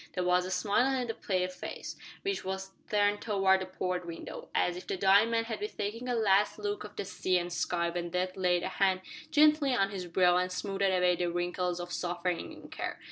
There was a smile on the pale face, which was turned towards the port window, as if the dying man had been taking a last look of the sea and sky when Death laid a hand gently on his brow and smoothed away the wrinkles of suffering and care.